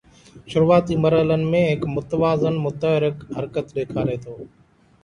شروعاتي مرحلن ۾ هڪ متوازن متحرڪ حرڪت ڏيکاري ٿو